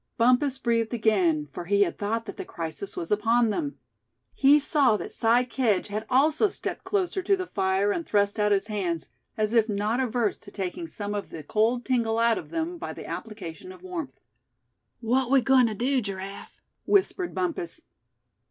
Bumpus breathed again, for he had thought that the crisis was upon them. He saw that Si Kedge had also stepped closer to the fire, and thrust out his hands, as if not averse to taking some of the cold tingle out of them by the application of warmth. "What we goin' to do, Giraffe?" whispered Bumpus.